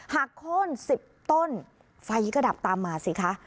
โค้น๑๐ต้นไฟก็ดับตามมาสิคะ